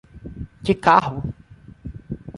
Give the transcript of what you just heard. Que carro!